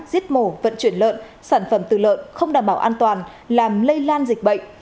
giết mổ vận chuyển lợn sản phẩm từ lợn không đảm bảo an toàn làm lây lan dịch bệnh